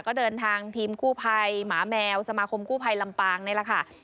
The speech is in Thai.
ก็เดินทางทีมกู้ภัยหมาแมวสมาคมกู้ภัยลำปางนี่แหละค่ะ